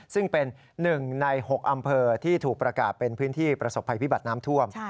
ซึ่งเป็น๑ใน๖อำเภอที่ถูกประกาศเป็นพื้นที่ประสบภัยพิบัติน้ำท่วม